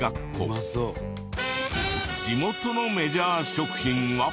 地元のメジャー食品は。